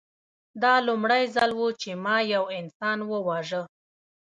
دا لومړی ځل و چې ما یو انسان وواژه